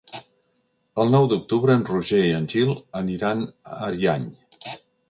El nou d'octubre en Roger i en Gil aniran a Ariany.